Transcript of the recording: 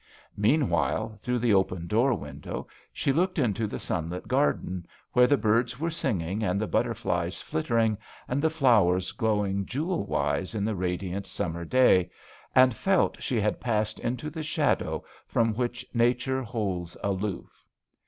95 Meanwhile, through the open door window, she looked into the sunlit garden, where the birds were singing and the butterflies flittering and the flowers glow ing jewel wise in the radiant summer day, and felt she had passed into the shadow from which nature holds aloof.